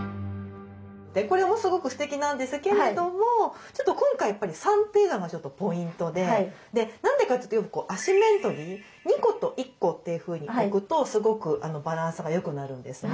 これもすごくステキなんですけれどもちょっと今回やっぱり３というのがちょっとポイントで何でかというとアシンメトリーで２個と１個というふうに置くとすごくバランスがよくなるんですね。